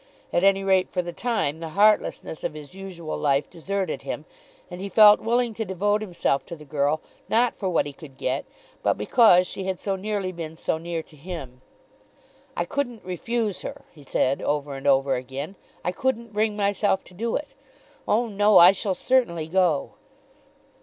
At any rate for the time the heartlessness of his usual life deserted him, and he felt willing to devote himself to the girl not for what he could get, but because she had so nearly been so near to him. "I couldn't refuse her," he said over and over again. "I couldn't bring myself to do it. Oh, no; I shall certainly go."